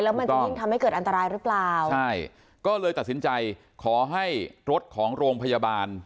แล้วมันจะยิ่งทำให้เกิดอันตรายหรือเปล่าใช่ก็เลยตัดสินใจขอให้รถของโรงพยาบาล